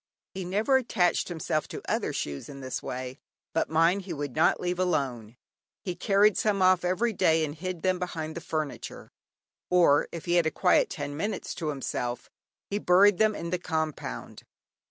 He never attached himself to other shoes in this way, but mine he would not leave alone. He carried some off every day and hid them behind the furniture, or if he had a quiet ten minutes to himself, he buried them in the compound.